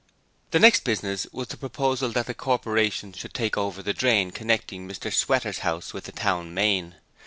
The next business was the proposal that the Corporation should take over the drain connecting Mr Sweater's house with the town main.